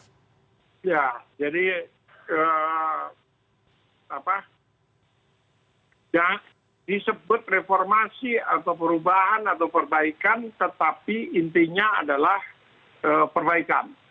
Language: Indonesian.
ya jadi disebut reformasi atau perubahan atau perbaikan tetapi intinya adalah perbaikan